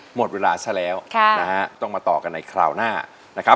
หมดเวลาซะแล้วต้องมาต่อกันในคราวหน้า